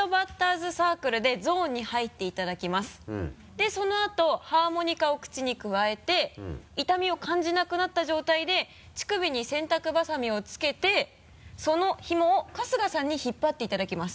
でそのあとハーモニカを口にくわえて痛みを感じなくなった状態で乳首に洗濯ばさみをつけてそのひもを春日さんに引っ張っていただきます。